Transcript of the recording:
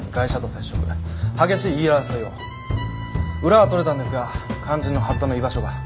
裏は取れたんですが肝心の八田の居場所が。